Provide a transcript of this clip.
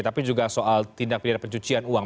tapi juga soal tindak pidana pencucian uang